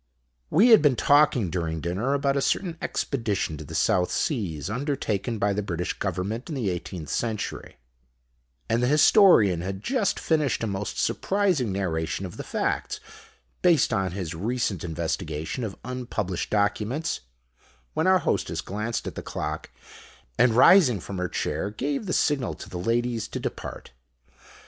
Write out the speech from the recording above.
We had been talking during dinner about a certain Expedition to the South Seas undertaken by the British Government in the eighteenth century; and the Historian had just finished a most surprising narration of the facts, based on his recent investigation of unpublished documents, when our Hostess glanced at the clock, and rising from her chair gave the signal to the ladies to depart.